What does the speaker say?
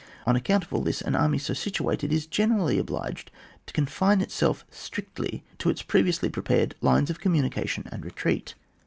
On account of all this, an army so situated is generally obliged to confuie itself stricdy to its previously prepared lines of communica tion and retreat.